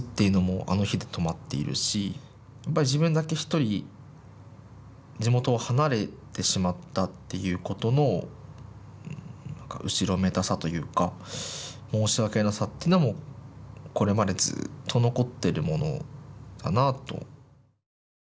やっぱり自分だけひとり地元を離れてしまったっていうことの後ろめたさというか申し訳なさっていうのはもうこれまでずっと残ってるものかなと。